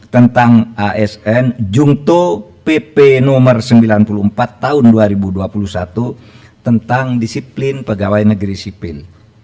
tentang asn jungto pp no sembilan puluh empat tahun dua ribu dua puluh satu tentang disiplin pegawai negeri sipil